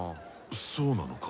そうなのか？